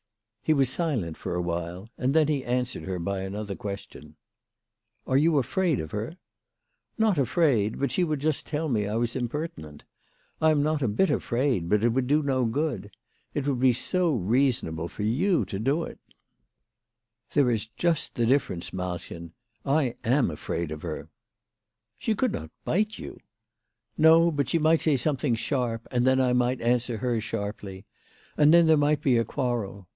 He was silent for a while, and then he answered her by another question. " Are you afraid of her? "" Not afraid. But she would just tell me I was impertinent. I am not if bit afraid, but it would do no good. It would be so reasonable for you to do it." 40 WHY FRAU FEOHMANJS" RAISED HER PEICES. " There is just the difference, Malchen. I am afraid of her." " She could not hite you." " No ; but she might say something sharp, and then I might answer her sharply. And then there might he a quarrel.